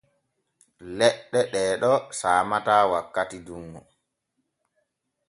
Leɗɗe ɗee ɗo saamataa wakkati dunŋu.